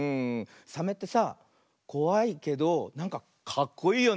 サメってさこわいけどなんかかっこいいよね。